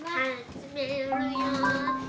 始めるよ。